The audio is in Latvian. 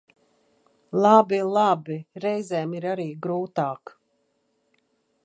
Labi, labi, reizēm ir arī grūtāk.